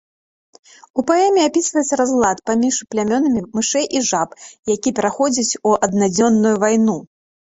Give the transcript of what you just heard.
У паэме апісваецца разлад паміж плямёнамі мышэй і жаб, які пераходзіць у аднадзённую вайну.